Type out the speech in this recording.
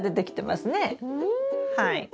はい。